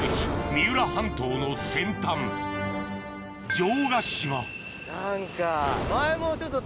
三浦半島の先端何か。